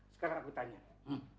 sekarang aku tanya